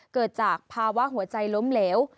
เกิดจากภาวะหัวใจล้มเหลว